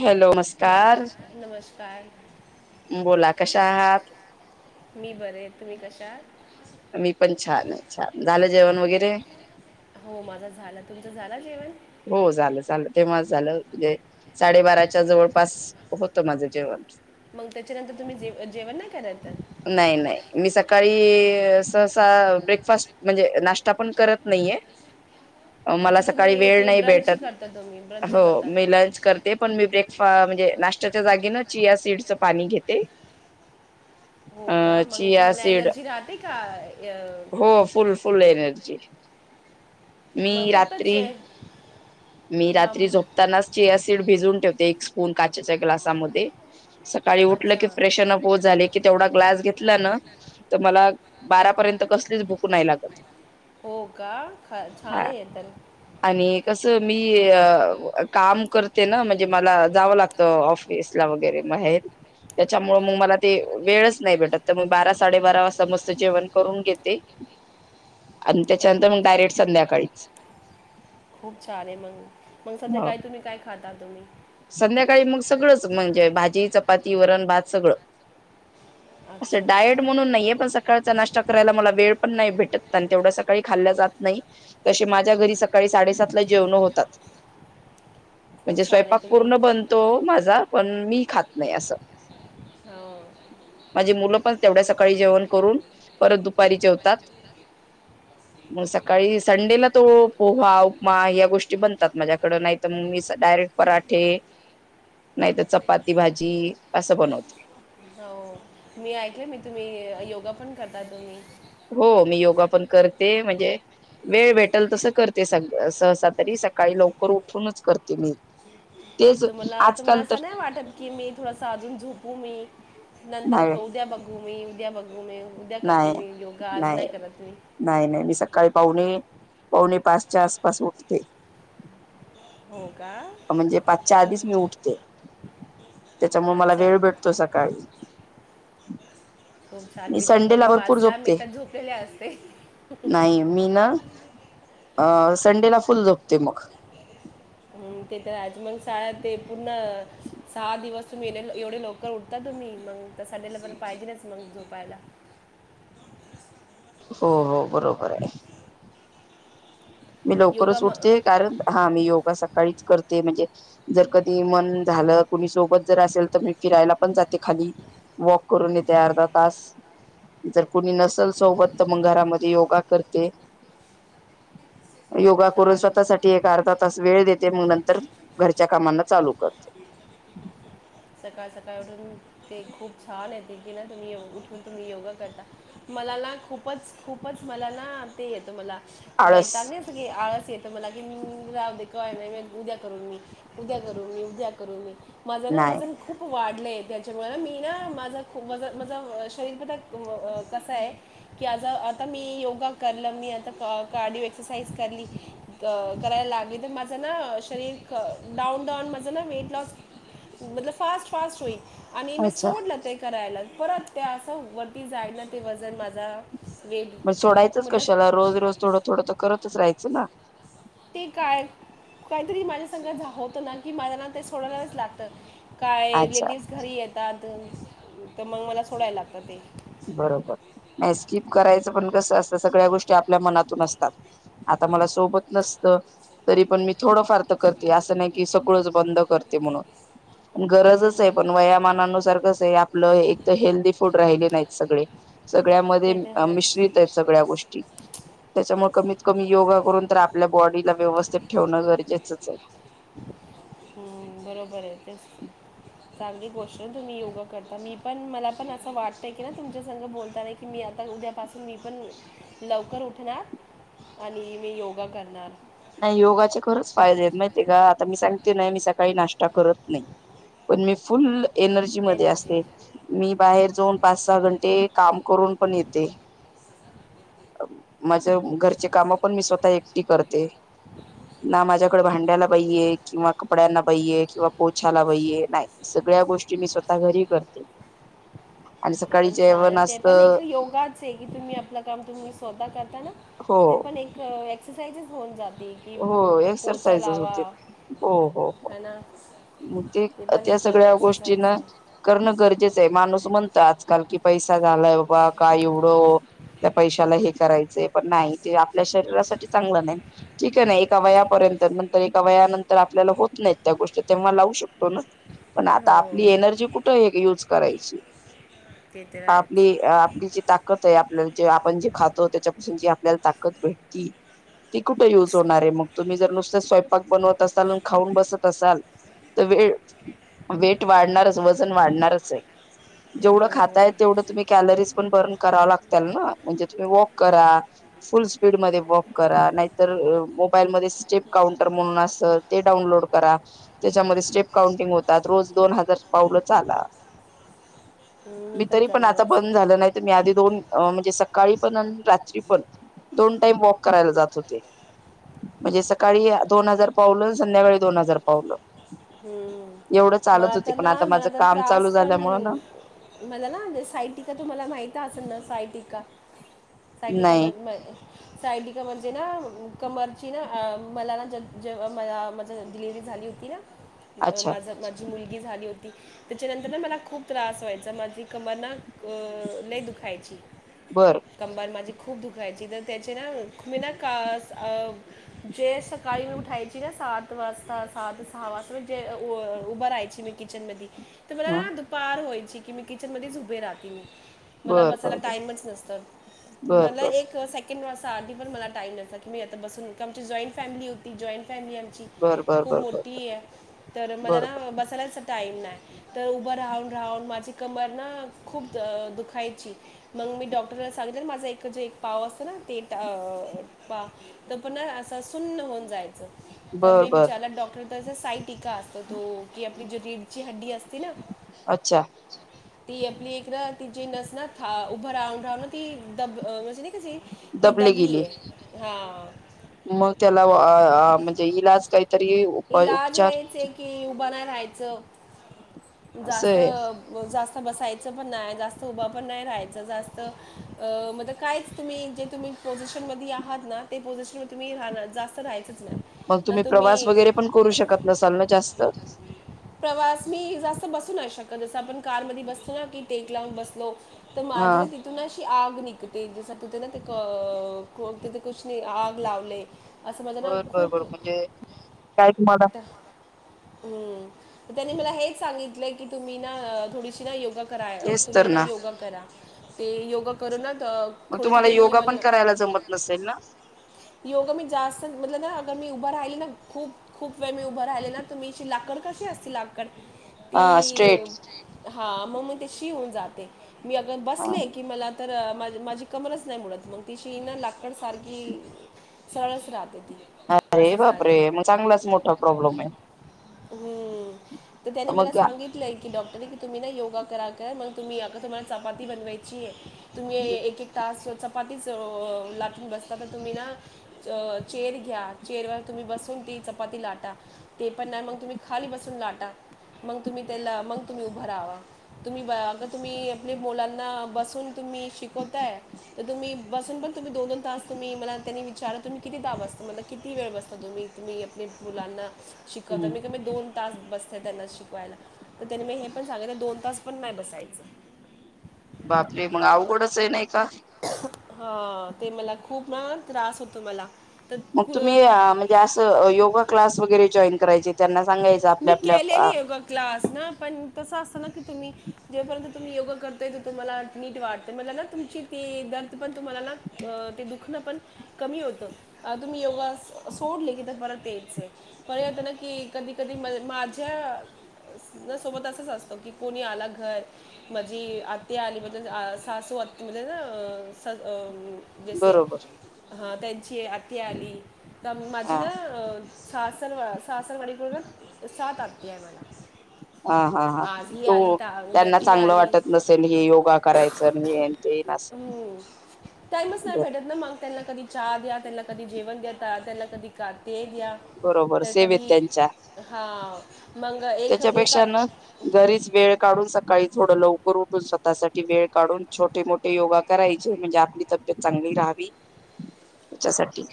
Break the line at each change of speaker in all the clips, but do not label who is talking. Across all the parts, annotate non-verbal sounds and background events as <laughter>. Hello! नमस्कार
न- नमस्कार
बोला कशा आहात.
मी बरंय, तुम्ही कशातं?
आम्ही पण छान आहे छान, झालं जेवण वगैरे?
हो माझा झाला तुमचं झाला जेवण?
हो झालं झालं ते माझं झालं. साडेबाराच्या जवळपास होतं माझं जेवण.
मंग त्याच्यानंतर तुम्ही जेवणं जेवणं नाही. करत?
नाही नाही मी सकाळी सहसा ब्रेकफास्ट म्हणजे नाश्ता पण करत नाहीये.
<inaudible>
मला सकाळी
तुम्ही
वेळ
ते
नाही
ब्रंची करता तुम्ही
भेटतं
ब्रंच
हो
करता ते.
मी लंच करते पण मी ब्रेकफास्ट म्हणेज नाश्त्याच्या जागी ना चिया सीडचं पाणी घेते.
हो का
अ
मग
चिया
तुम्हाला
सीड
एनर्जी राहते का?
हो, फुल फुल एनर्जी,
मग
मी
फक्त
रात्री.
चे
मी
हा
रात्री
मग-
झोपतानाचं चिया सीड भिजवून ठेवते. एक स्पून काचेच्या ग्लासामध्ये. सकाळी उठलं कि
अच्छा
प्रेशर नको झाले. की तेवढा ग्लास घेतला ना तर मला बारापर्यंत कसलीचं भुक नाही लागतं.
हो का छान हे तर.
आणि कसं मी अ काम करते ना म्हणजे मला जावं लागत ऑफ सला वगैरे म हे त्याच्यामुळ मग मला ते वेळचं नाही भेटतं तर मी बारा साडेबारा वाजता मस्त जेवणं करून घेते.
<inaudible>
आणि त्याच्यानंतर मग
अच्छा.
डायरेक्ट संध्याकाळीचं.
खूप छान आहे मग मग
हो
सध्याकाळी तुम्ही काय खाता तुम्ही?
संध्याकाळी मग सगळंच म्हणजे भाजी चपाती वरण भात सगळं. अस
अच्छा अच्छा
डाएट म्हणून नाहीये पण सकाळचा नाश्ता करायला मला वेळ पण नाही भेटत. आणि तेवढ्या सकाळी खाल्ल जात नाही. कशी माझ्या घरी सकाळी साडेसात ला जेवण होतात.
खूप
म्हणजे
छान आहे
स्वयंपाक
तुम्ही
पण तो माझा पण मी खात नाही असं.
हो
माझी मुलं पण तेवढ्या सकाळी जेवण करून, परत दुपारी जेवतात.
<inaudible>
मग सकाळी संडेला तो पोहा, उपमा या गोष्टी बनतात माझ्याकडं नाही तर मग मी डायरेक्ट पराठे ठे नाहीतर चपाती भाजी असं बनवते.
हो मी ऐकलं मी तुम्ही योगा पण करता तुम्ही?
हो मी योगा पण करते. म्हणजे वेळ भेटल तसं करते सग सहसा तरी सकाळी लवकर उठूनच करते मी. तेच
तुम्हाला तुम्हाला
आजकाल तर
असं नाही वाटत की मी थोडस अजून झोपू मी? नंतर
नाही
उद्या बघू मी उद्या बघू मी उद्या करते
नाही
मी योगा आज नाही करत मी.
नाही नाही मी सकाळी पावणे पावणे पाचच्या आसपास उठते.
हो का
म्हणजे पाचच्या आधीच मी
खूप
उठते. त्याच्यामुळ मला
अच्छा
वेळ भेटतो. सकाळी
खूप छान मी तर पावणे
संडेला भरपूर
पाच ला मी
झोपते
तर झोपलेले असते.
नाही मी ना अ संडेला फुल झोपते मग.
हम्म ते तर आहेच मग शाळा ते पूर्ण सहा दिवस तुम्ही लय एवढे लवकर उठता. तुम्ही मग तसा त्यालापण पाहिजेलच मग झोपायला.
हो हो बरोबर आहे. मी
योगा
लवकरच
मग
उठते, कारण हा मी योगा सकाळीच करते म्हणजे जर कधी मन झालं. कोणी सोबत जर असेल तर मी फिरायला पण जाते खाली. वॉक करून येते अर्धा तास. जर कोणी नसेल सोबत तर मग घरामध्ये योगा करते. योगा करून
छान
स्वतःसाठी
छान
एक, अर्धा तास वेळ देते. मग नंतर घरच्या कामांना चालू करते.
सकाळ सकाळ उठून ते खूप छान येेते की ना तुम्ही उठून तुम्ही योगा करता. मला ना खूपच खूपच मला ना ते येत मला
आळस
वैताग <unintelligible> कि आळस येतं मला की मी राहुदे कि नाही मी उद्या करेन मी उद्या करू मी उद्या करू मी माझा ना
नाही
वजन खूप वाढलं आहे. त्याच्यामुळे ना मी ना माझा खूप माझं शरीर बांधा कसं आहे. की आ आता मी योगा करलं मी आता कार्डिओ एक्सरसाइज करली करायला लागली, तर माझं ना शरीर डाऊन डाऊन माझं ना वेट लॉस मतलब फास्ट फास्ट होईल आणि आणि मग
अच्छा
सोडल तेे करायला परत त्या असं वरती जायल ना तेव्हा वजन माझा वेट
मग सोडायच
मतलब
कशाला? रोज रोज थोडं थोडं तर करतच राहायचं ना.
ते काय काहीतरी माझ्यासंग होतंच ना की माझ्या ना ते सोडायलाच लागतं. काय
अच्छा
लेडीज घरी येतात. तर मग मला सोडायला लागतं ते.
बरोबर नाही स्कीप करायचं पण कसं असतं. सगळ्या गोष्टी आपल्या मनातून असतात. आता मला सोबत नसतं. तरी पण मी थोडंफार तर करते, असं नाही की सगळंच बंद करते म्हणून. गरजच आहे पण वयामानानुसार कसं आहे. आपलं एक तर हेल्दी फूड राहिले नाही. सगळे सगळ्यामध्ये
ते तर आहे
मिश्रित आहेत सगळ्या गोष्टी. त्याच्यामुळे कमीत कमी योगा करून तर, आपल्या बॉडीला व्यवस्थित ठेवणं गरजेचंच आहे.
हं बरोबर आहे तेच. <unintelligible> चांगली गोष्ट तुम्ही योगा करता मी पण मला पण असं वाटतं की ना तुमच्या सोबत बोलताना की की मी आता उद्यापासून मी पण लवकर उठणार आणि मी योगा करणार.
नाही. योगाचे खरंच फायदेयत, माहितेय का? आता मी सांगते ना, मी सकाळी नाश्ता करत नाही. पण मी फुल् एनर्जी मध्ये असते. मी बाहेर जाऊन पाच - सहा घंटे काम करून पण येते. माझ घरचे काम पण मी, स्वतः एकटी करते. ना माझ्याकडे भांड्याला बाईये किंवा कपड्यांना बाईये किंवा पोछाला बाइये, नाही. सगळ्या गोष्टी मी स्वतः घरी करते. आणि
ते
सकाळी
पण
जेवण
सार ते पण
असतं
एक योगा च तुम्ही आपल काम तुम्ही स्वतः करता,
हो
ते पण एक एक्सरसाइज होऊन जाते. की
हो
पोचा
एक्सरसाइजच
लावा
होते. हो हो हो
है ना
मग ते
पण
त्या
एक
सगळ्या
एक्सरसाइज
गोष्टींना
आहे
करणं गरजेचंय. माणूस म्हणत आजकाल कि, पैसा झालाय बाबा, काय एवढं? त्या पैशाला हे करायचय. पण नाही, ते आपल्या शरीरासाठी चांगलं नाही. ठीकय ना, एका वयापर्यंत. नन तर, एका वयानंतर आपल्याला होत नाहीत त्या गोष्टी. तेव्हा लावू शकतो ना. पण आता
हो
आपली एनर्जी कुठ एक युज करायची.
ते तर आहेच
आपली आपली जी ताकदय, आपल्याला जे, आपण जे खातो. त्याच्यापासून जी आपल्याला ताकद भेटती. तो युज होणारय, मग. तुम्ही जर नुसत स्वयंपाक बनवत असाल, न खाऊन बसत असाल. तर वेळ वेट वाढणारच. वजन वाढणारचय.
हो
जेवढं खाताय तेवढं तुम्ही कॅलरीज पण बर्न कराव लागत्यालन म्हणजे तुम्ही वॉक करा, फुल स्पीड मध्ये वॉक करा नाही तर मोबाईलमध्ये स्टेप काउंटर म्हणून अस ते डाउनलोड करा. त्याच्यामध्ये स्टेप काउंटिंग होतात रोज दोन हजार पावलं चाला.
<inaudible>
मी तरी पण
करणार
आता
असं
बंद झालं नाही त मी आधी दोन म्हणजे सकाळी पण आणि रात्री पण दोन टाइम वॉक करायला जात होते. म्हणजे सकाळी दोन हजार पावलं संध्याकाळी दोन हजार पावलं. एवढं
म
चालत होते
आता
पण
ना मला
माझं
आता
काम चालू
त्रास पण
झाल्यामुळे ना
मला ना साईटिका तुम्हाला माहिती असन ना साई टिका? साईटिका
नाही
मद मय साईटिका म्हणजे ना कमरची ना मला ना ज- जेव्हा मा-माझं डिलिव्हरी झाली होती ना. अ
अच्छा
माझ माझी मुलगी झाली होती. त्याच्यानंतर ना मला खूप त्रास व्हायचा माझी कमरना लय दुखायची.
बरं.
कंबर माझी खूप दुखायची तर त्याचे ना मी ना कास अ जे सकाळी मी उठायची न सात वाजता सहा ते सहा वाजता जे व उभं राहायची मी किचन मधी तर
ह
मला दुपार व्हायची की मी किचन मध्येच उभे राहते मी. मला
बर
बसायला
बर
टाइमच नसत,
बर
मला
बर
एक से कीन वाजता आधी पण मला टाईम नसा की मी आता बसून का आमची जॉईंट फॅमिली होती जॉईंट फॅमिली आमची
बर बर बर
खूप
बर
मोठीये, तर मला
बर बर
ना बसायलाच टाईम नाय. तर उभं राहून राहून माझी कमर ना खूप दुखायची. मग मी डॉक्टरला सांगीतल माझा एकडच एक पाव असत ना ते पा तर पूर्ण असा सुन्न होऊन जायचं, तर
बर
मी
बर
विचारलं डॉक्टर तस साईटीका अस तर तो की आपली जी रीडची हड्डी असती ना?
अच्छा.
छह. ती आपली एक ना तिची नस ना था उभं राहून राहून ती दब म्हणजे नाही का ती ती
दबले
दाबलीये, हा.
म त्याला अ आ म्हणजे इलाज काहीतरी उपाय
इलाज
उपचार?
हेच आहे की उभं नाही राहायचं,
असं
जास्त
आहे
जास्त बसायचं पण नाही जास्त उभं पण नाही राहायचं जास्त अ म आता कायच तुम्ही जे तुम्ही पोझिशन मधी आहात ना ते पोझिशन तुम्ही राहण जास्त राहायचंच नाही.
म तुम्ही प्रवास वगैरे पण करू शकत नसाल ना जास्त?
<inaudible> प्रवास मी जास्त बसू नाही शकत जसं आपण कार मध्ये बसलो ना की टेक लावून बसलो. तर
हा
माझे दि तुन अशी आग निघते जस तुते ना ते क कुतीत कुछ नाय आग लावले. आ माझ ना खूप
जे. काय तुम्हाला
ता, हम्म, त्यांनी मला हेच सांगितलंय की तुम्ही ना थोडीशी ना योगा करा
तेच तर
तुम्ही ना योगा करा, ते योगा करू ना त
म तुम्हाला योगा पण करायला जमत नसेल ना?
योगा मी जास्त म्हटलं ना, अगर मी उभं राहिली ना खूप. खूप वेळ मी उभं राहिले ना, तुम्हीची लाकड कशी असती, लाकड.
हा
ती,
स्ट्रेट
हा, मग मी तशी होऊन जाते. मी अगर बसले की, मला तर माझी. कबंरच नाही मुडत मग तिशी ना, लाकड सारखी. सरळचं राहते ती.
अरे
असं
बाप रे!
झाले
मग चांगलाच मोठा प्रॉब्लेम आहे.
हम्म, तर त्यानी मला
मग
सांगितलंय. की, डॉक्टर आहे की तुम्ही? ना, योगा करा. मग तुम्ही या का? तुम्हाला चपाती बनवायची आहे, तुम्ही एक-एक. तासभर व चपातीच लाटून बसता तर तुम्ही ना. अं, चेअर घ्या, त्या चेअरवर तुम्ही बसून ती चपाती लाटा. ते पण ना, मग तुम्ही खाली बसून लाटा, मग तुम्ही तेल लावा, मग तुम्ही उभं राहावा. तुम्ही अग तुम्ही आपल्या मुलांना बसून तुम्ही शिकवताय. तुम्ही बसून पण तुम्ही दोन-दोन तास तुम्ही मला त्यानी. दादा, तुम्ही किती तास बसता, म्हणलं? किती वेळ बसता तुम्ही-तुम्ही आपल्या मुलांना शिकवता, मी कमीत कमी दोन तास बसते त्यांना शिकवायला, तर त्यांनी मी हे पण सांगितलं, दोन तास पण नाही बसायचं.
बाप रे! मग अवघडच हे नाही का.
हा, ते मला खूप ना त्रास होतो मला. तर
मग तुम्ही
कु-
म्हणजे असं योगा क्लास वगैरे जॉईन करायचे. त्यांना सांगायचं
मी
आपल्या-आपल्या.
केलेली योगा क्लास ना, पण तसं असतं ना की तुम्ही. जेपर्यंत तुम्ही योगा करताय, ते तुम्हाला नीट वाटते. मला ना, तुमची ते दर्द पण तुम्हाला ना. ते दुखणं पण कमी होतं. तुम्ही योगा सोडले की, तर बरं तेच आहे. परत ना की कधी-कधी म माझ्या. ना, सोबत असंच असतो की कोणी आला घर माझी आत्या आली म्हणजे सासूआतु म्हणजे ना. जसे
बरोबर
अ त्यांची आत्या आली तर माझी
हा
ना. सासरं सासरवाडीकडून सात आत्या आहे. मला
हा-हा, हा,
आज ही
तो
आली ता उद्या
त्यांना
ती
चांगलं
आली
वाटत नसेल, हे योगा करायचं, हे ते न असं.
टाईमच नाही
बर
भेटत ना, मग त्यां कधी. चहा द्या त्याला, कधी जेवण द्या त्याला, कधी का ते द्या,
बरोबर
तर
सेवेत
कधी.
त्यांच्या
हा, मंग
त्याच्यापेक्षा
एक-एक.
ना घरीच वेळ काढून, सकाळी थोडं लवकर उठून स्वतःसाठी वेळ काढून छोटे-मोठे योगा. करायचे म्हणजे आपली तब्येत चांगली राहावी, त्याच्यासाठी.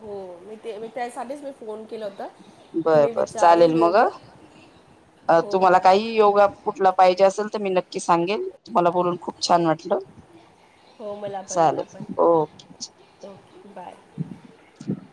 हो, मी ते म त्यासाठीच मी फोन केला होता.
बर-बर, चालेल. मग
हो हो
तुम्हाला
हो
काही योगा कुठला पाहिजे असेल तर मी नक्की सांगेल तुम्हाला. बोलून खूप छान वाट. हो,
हो मला पण मला
चालेल.
पण
ओके.
Okay bye
<inaudible>